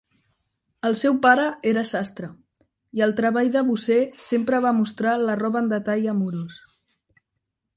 El seu pare era sastre, i el treball de Bosse sempre va mostra la roba en detall amorós.